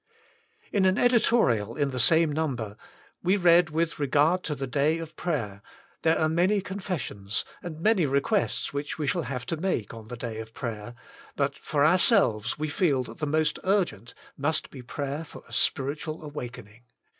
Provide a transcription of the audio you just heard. '' In an editorial in the same number, we read with regard to the Day of Prayer, " There are many confessions, and many requests which we shall have to make on the day of prayer; but for ourselves we feel that the most urgent must be prayer for a spiritual awakening.